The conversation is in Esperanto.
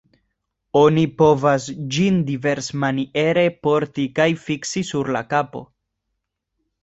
Oni povas ĝin diversmaniere porti kaj fiksi sur la kapo.